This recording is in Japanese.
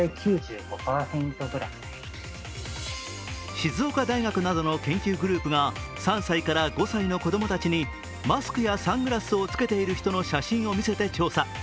静岡大学などの研究グループが３歳から５歳の子供たちにマスクやサングラスを着けている人の写真を見せて調査。